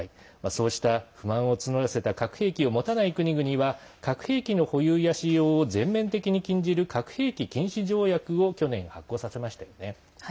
そうした不満を募らせた核兵器を持たない国々は核兵器の保有や使用を全面的に禁じる核兵器禁止条約を去年、発効させましたよね。